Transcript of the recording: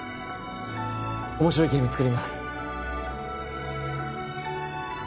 面白いゲーム作ります